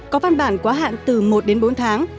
có văn bản quá hạn từ một đến bốn tháng